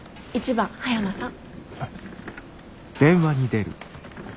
１番葉山さん。